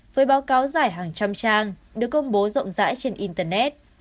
với báo cáo giải hàng trăm trang được công bố rộng rãi trên internet